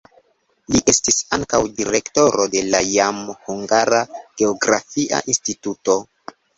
Li estis ankaŭ direktoro de la jam hungara geografia instituto.